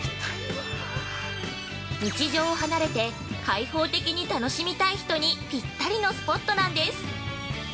日常を離れて開放的に楽しみたい人にぴったりのスポットなんです。